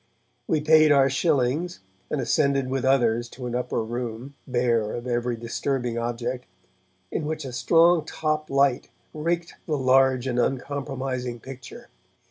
We paid our shillings and ascended with others to an upper room, bare of every disturbing object, in which a strong top light raked the large and uncompromising picture.